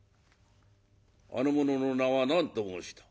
あの者の名は何と申した？